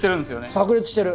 さく裂してる。